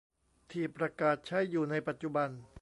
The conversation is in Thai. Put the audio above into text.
ที่ประกาศใช้อยู่ในปัจจุบัน